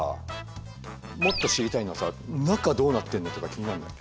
もっと知りたいのはさ中どうなってんのとか気になんない？